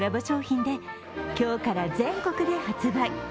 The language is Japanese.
商品で今日から全国で発売。